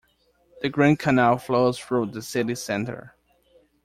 The Grand Canal flows through the city center.